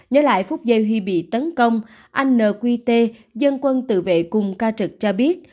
nhớ lại phút giây hy bị tấn công anh nqt dân quân tự vệ cùng ca trực cho biết